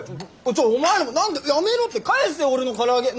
ちょっお前らも何でやめろって返せ俺のから揚げ！